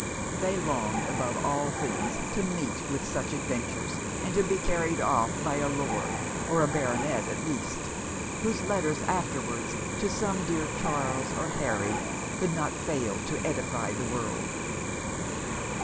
They longed above all things to meet with such adventures, and to be carried off by a Lord, or a Baronet at least; whose letters afterwards, to some dear Charles or Harry, could not fail to edify the world.